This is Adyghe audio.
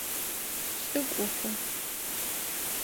Пшӏыкӏухы.